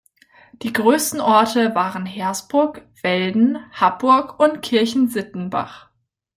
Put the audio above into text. Die größten Orte waren Hersbruck, Velden, Happurg und Kirchensittenbach.